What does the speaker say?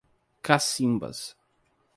Cacimbas